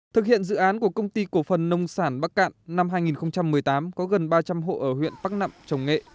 thực hiện dự án của công ty cổ phần nông sản bắc cạn năm hai nghìn một mươi tám có gần ba trăm linh hộ ở huyện bắc nặng trồng nghệ